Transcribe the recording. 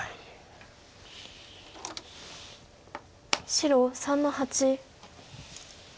白３の八。